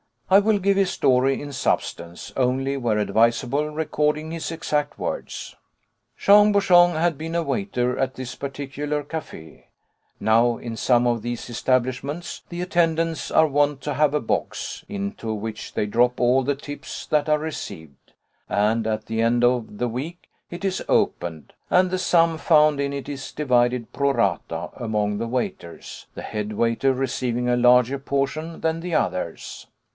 I will give his story in substance, only where advisable recording his exact words. Jean Bouchon had been a waiter at this particular café. Now in some of these establishments the attendants are wont to have a box, into which they drop all the tips that are received; and at the end of the week it is opened, and the sum found in it is divided pro rata among the waiters, the head waiter receiving a larger portion than the others.